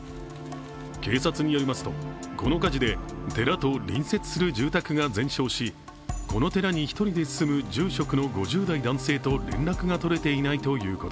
警察によりますとこの火事で寺と隣接する住宅が全焼しこの寺に１人で住む住職の５０代男性と